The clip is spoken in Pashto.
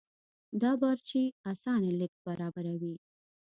دا بارچي اسانه لېږد برابروي.